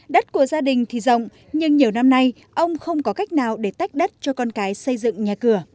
đất của gia đình thì rộng nhưng nhiều năm nay ông không có cách nào để tách đất cho con cái xây dựng nhà cửa